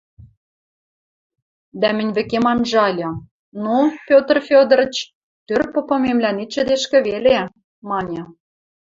дӓ мӹнь вӹкем анжальы: – Ну, Петр Федорыч, тӧр попымемлӓн ит шӹдешкӹ веле, – маньы